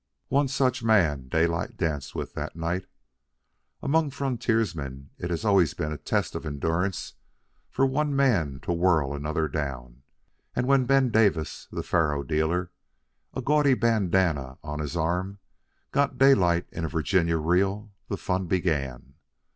One such man Daylight danced with that night. Among frontiersmen it has always been a test of endurance for one man to whirl another down; and when Ben Davis, the faro dealer, a gaudy bandanna on his arm, got Daylight in a Virginia reel, the fun began.